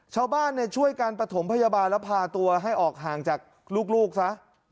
ชาวบ้านช่วยกันประถมพยาบาลแล้วพาตัวให้ออกห่างจากลูกซะ